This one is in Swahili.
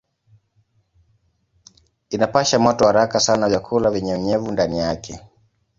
Inapasha moto haraka sana vyakula vyenye unyevu ndani yake.